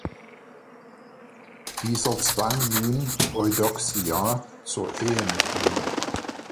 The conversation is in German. Dieser zwang nun Eudoxia zur Ehe mit ihm.